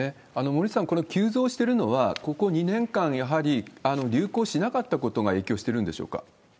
森内さん、この急増してるのは、ここ２年間、やはり流行しなかったことが影響してるんでしょうか？